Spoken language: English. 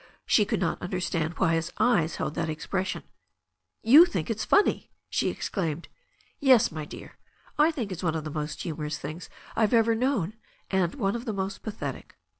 She could not understand why his eyes held that expres sion. "You think it's funny !" she exclaimed. "Yes, my dear. I think it's one of the most humorous things I've ever known — and one of the most pathetic."